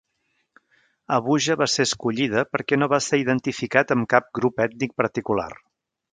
Abuja va ser escollida perquè no va ser identificat amb cap grup ètnic particular.